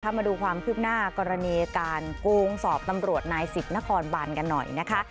มาดูความคืบหน้ากรณีการโกงสอบตำรวจนายสิบนครบันกันหน่อยนะคะ